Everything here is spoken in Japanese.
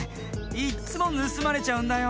いっつもぬすまれちゃうんだよ。